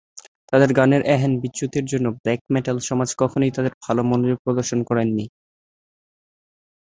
তাদের গানের এহেন বিচ্যুতির জন্য ব্ল্যাক মেটাল সমাজ কখনোই তাদের ভালো মনোযোগ প্রদর্শন করেনি।